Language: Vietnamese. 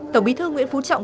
tổng bí thư nguyễn phú trọng